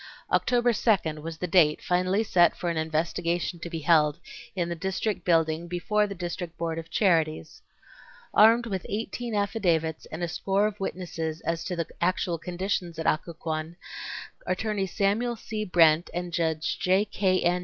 October 2nd was the date finally set for an investigation to be held in the District Building before the District Board of Charities. Armed with 18 affidavits and a score of witnesses as to the actual conditions at Occoquan, Attorney Samuel C. Brent and Judge J. K. N.